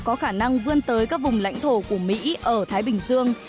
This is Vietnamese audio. có khả năng vươn tới các vùng lãnh thổ của mỹ ở thái bình dương